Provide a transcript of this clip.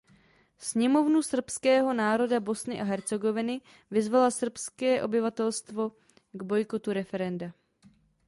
Sněmovnu srbského národa Bosny a Hercegoviny vyzvala srbské obyvatelstvo k bojkotu referenda.